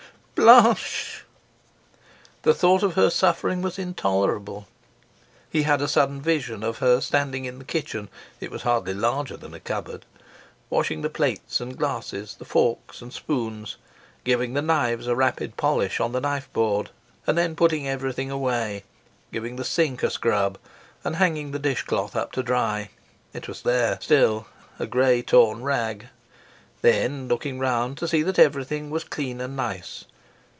Blanche." The thought of her suffering was intolerable. He had a sudden vision of her standing in the kitchen it was hardly larger than a cupboard washing the plates and glasses, the forks and spoons, giving the knives a rapid polish on the knife board; and then putting everything away, giving the sink a scrub, and hanging the dish cloth up to dry it was there still, a gray torn rag; then looking round to see that everything was clean and nice.